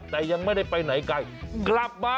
แต่ยังไม่ได้ไปไหนไกล